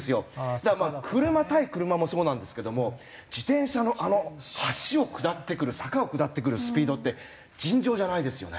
だからまあ車対車もそうなんですけども自転車のあの橋を下ってくる坂を下ってくるスピードって尋常じゃないですよね？